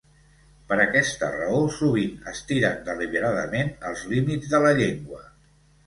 Per aquesta raó, sovint estiren deliberadament els límits de la llengua.